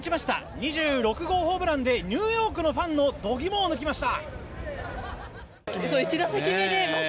２６号ホームランでニューヨークのファンの度肝を抜きました。